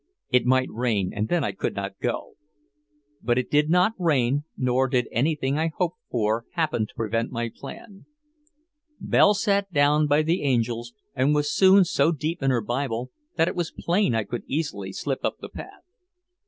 It might rain and then I could not go. But it did not rain nor did anything I hoped for happen to prevent my plan. Belle sat down by the angels and was soon so deep in her Bible that it was plain I could easily slip up the path.